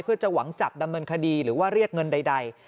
เพื่อจะหวังจับดำเนินคดีหรือว่าเรียกเงินใด